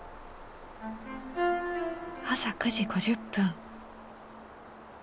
朝９時５０分。